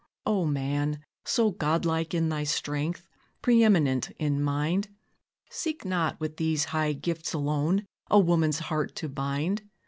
O man! so God like in thy strength, Preëminent in mind, Seek not with these high gifts alone, A woman's heart to bind.